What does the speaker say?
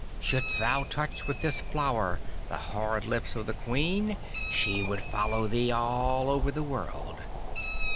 Shouldst thou touch with this flower the hard lips of the Queen, she would follow thee all over the world.